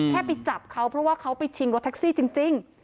ไปจับเขาเพราะว่าเขาไปชิงรถแท็กซี่จริง